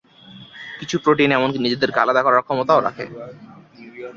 কিছু প্রোটিন এমনকি নিজেদের আলাদা করার ক্ষমতাও রাখে।